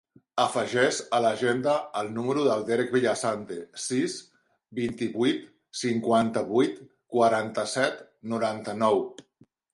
Afegeix a l'agenda el número del Derek Villasante: sis, vint-i-vuit, cinquanta-vuit, quaranta-set, noranta-nou.